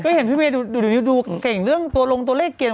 ก็เห็นพี่เมย์ดูเดี๋ยวดูเก่งเรื่องตัวลงตัวเลขเกณฑ์